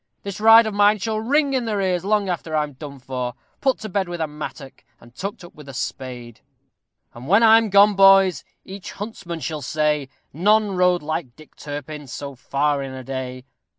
This ride of mine shall ring in their ears long after I'm done for put to bed with a mattock, and tucked up with a spade. And when I am gone, boys, each huntsman shall say, None rode like Dick Turpin, so far in a day.